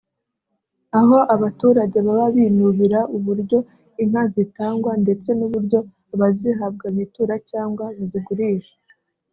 aho abaturage baba binubira uburyo inka zitangwa ndetse n’uburyo abazihabwa bitura cyangwa bazigurisha